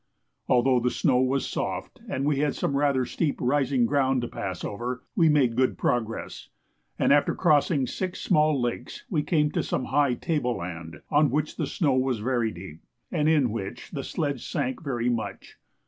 Although the snow was soft, and we had some rather steep rising grounds to pass over, we made good progress, and after crossing six small lakes we came to some high table land, on which the snow was very deep, and in which the sledge sank very much.